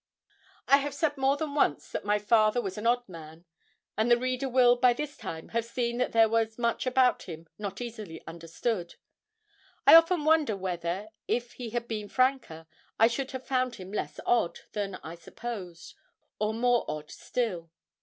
I have said more than once that my father was an odd man; and the reader will, by this time, have seen that there was much about him not easily understood. I often wonder whether, if he had been franker, I should have found him less odd than I supposed, or more odd still.